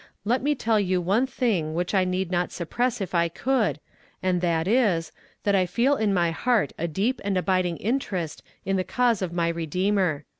Let me tell you one thing which I need not suppress if I could, and that is, that I feel in my heart a deep and abiding interest in the cause of my Redeemer.